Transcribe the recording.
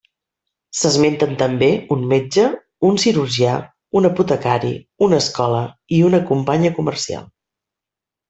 S'esmenten també un metge, un cirurgià, un apotecari, una escola, i una companya comercial.